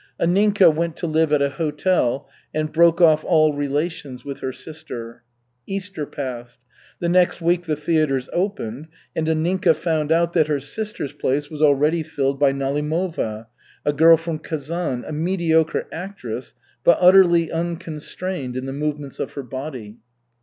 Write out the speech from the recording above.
Anninka went to live at a hotel and broke off all relations with her sister. Easter passed. The next week the theatres opened, and Anninka found out that her sister's place was already filled by Nalimova, a girl from Kazan, a mediocre actress, but utterly unconstrained in the movements of her body.